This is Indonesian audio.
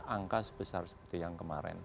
angka sebesar seperti yang kemarin